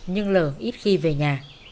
nhưng lờ ít khi về nhà